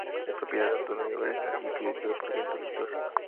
Es propiedad de Antonio Deza y es editado por Vientos del Sur.